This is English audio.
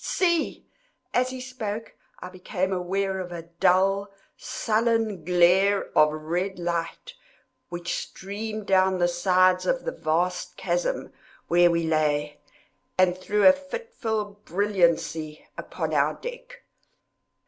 see!" As he spoke, I became aware of a dull, sullen glare of red light which streamed down the sides of the vast chasm where we lay, and threw a fitful brilliancy upon our deck.